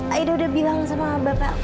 aida udah bilang sama bapak